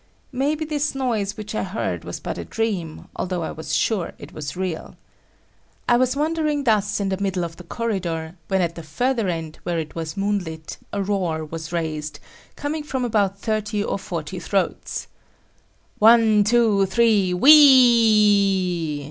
Maybe this noise which I heard was but a dream, although I was sure it was real. I was wondering thus in the middle of the corridor, when at the further end where it was moonlit, a roar was raised, coming from about thirty or forty throats, "One, two, three,—Whee ee!"